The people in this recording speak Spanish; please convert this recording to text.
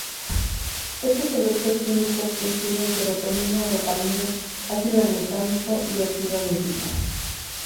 Estos productos químicos incluyen serotonina, dopamina, ácido glutámico y óxido nítrico.